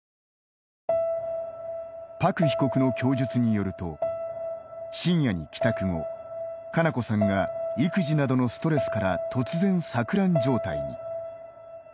朴被告の供述によると深夜に帰宅後、佳菜子さんが育児などのストレスから突然、錯乱状態に。